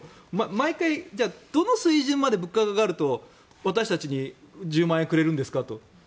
毎回、どの水準まで物価が上がると私たちに１０万円くれるんですかと。